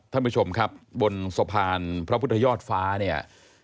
ท่านผู้ชมครับบนสะพานพระพุทธยอดฟ้าเนี่ย